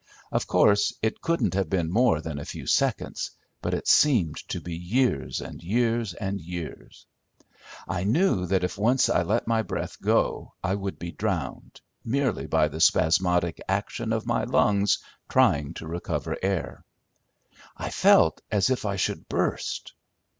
Of course it couldn't have been more than a few seconds, but it seemed to be years and years and years. I knew that if once I let my breath go I would be drowned, merely by the spasmodic action of my lungs trying to recover air. I felt as if I should burst.